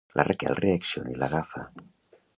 La Raquel reacciona i l'agafa.